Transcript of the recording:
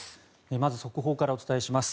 まず速報からお伝えします。